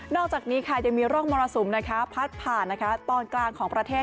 อกจากนี้ค่ะยังมีร่องมรสุมพัดผ่านตอนกลางของประเทศ